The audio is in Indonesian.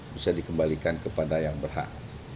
bisa dikembalikan kepada yang berhak